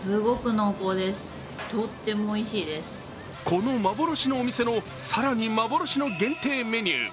この幻のお店の更に幻の限定メニュー